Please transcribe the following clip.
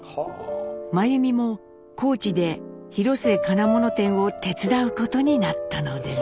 眞弓も高知で広末金物店を手伝うことになったのです。